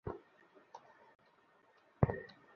দেখুন, খালি ওই চিঠিই কেটে লেখা হয়েছে।